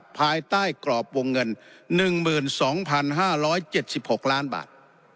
ภายใต้กรอบวงเงิน๑๒๕๗๖ล้านบาท